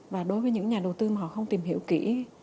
và đối với những nhà đầu tư mà họ không tìm hiểu kỹ